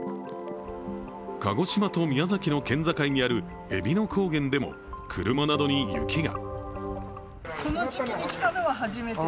鹿児島と宮崎の県境にあるえびの高原でも車などに雪が。